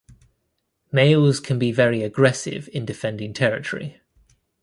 Males can be very aggressive in defending territory.